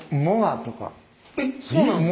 えっそうなんですか？